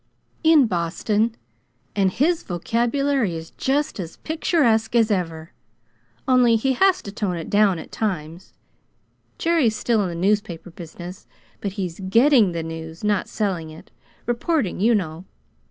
"In Boston; and his vocabulary is just as picturesque as ever, only he has to tone it down at times. Jerry's still in the newspaper business but he's GETTING the news, not selling it. Reporting, you know.